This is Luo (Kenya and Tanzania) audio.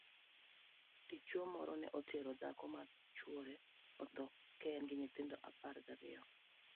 Dichwo moro ne otero dhako ma chwore otho ka en gi nyithindo apar gariyo.